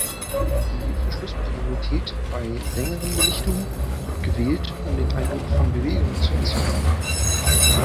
Die Verschlusspriorität bei längeren Belichtungen wird gewählt, um den Eindruck von Bewegung zu erzeugen.